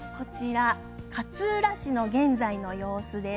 勝浦市の現在の様子です。